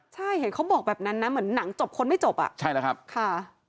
ใช่เห็นเขาบอกแบบนั้นนะเหมือนหนังจบคนไม่จบอ่ะใช่แล้วครับค่ะ